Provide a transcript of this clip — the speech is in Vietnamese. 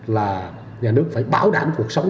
là nhà nước phải bảo đảm cuộc sống